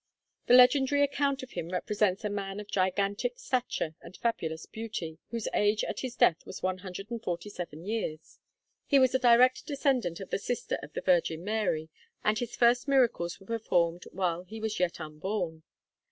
The legendary account of him represents a man of gigantic stature and fabulous beauty, whose age at his death was 147 years. He was a direct descendant of the sister of the Virgin Mary, and his first miracles were performed while he was yet unborn.